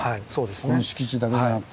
この敷地だけでなくて。